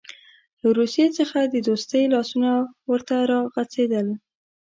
له روسیې څخه د دوستۍ لاسونه ورته راغځېدل.